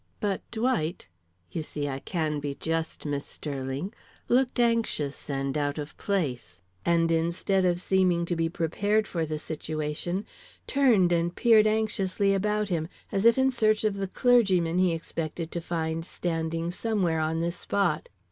But Dwight you see I can be just, Miss Sterling looked anxious and out of place; and, instead of seeming to be prepared for the situation, turned and peered anxiously about him, as if in search of the clergyman he expected to find standing somewhere on this spot.